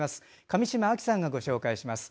上島亜紀さんがご紹介します。